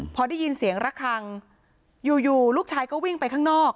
พอได้ยินเสียงระคังอยู่ลูกชายก็วิ่งไปข้างนอก